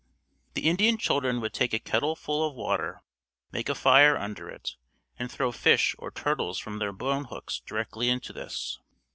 The Indian children would take a kettleful of water, make a fire under it, and throw fish or turtles from their bone hooks directly into this.